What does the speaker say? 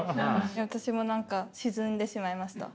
私も何か沈んでしまいました。